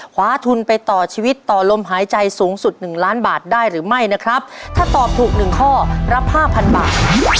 คว้าทุนไปต่อชีวิตต่อลมหายใจสูงสุดหนึ่งล้านบาทได้หรือไม่นะครับถ้าตอบถูกหนึ่งข้อรับห้าพันบาท